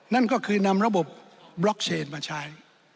นั่นก็คือนำระบบบล็อกเชนมาใช้